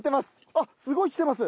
あっすごい来てます！